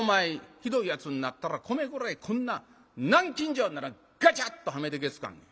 ひどいやつになったら米蔵へこんな南京錠ならガチャッとはめてけつかんねん。